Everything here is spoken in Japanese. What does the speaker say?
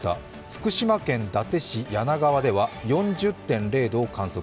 福島県伊達市梁川では４０．０度を観測。